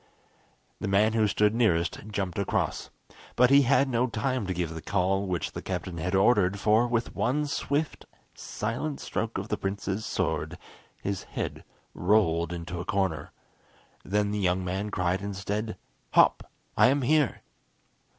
The man who stood nearest jumped across, but he had no time to give the call which the captain had ordered, for with one swift, silent stroke of the prince's sword, his head rolled into a corner. Then the young man cried instead, "Hop! I am here."